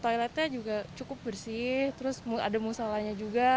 toiletnya juga cukup bersih terus ada musolanya juga